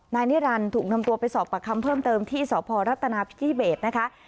นายนิรันดิ์ถูกนำตัวไปสอบปากคำเพิ่มเติมที่สพรัฐนาพิธิเบสนะคะ